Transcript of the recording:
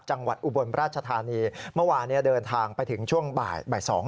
จังหวัดอุบลราชธานีเมื่อวานเดินทางไปถึงช่วงบ่าย๒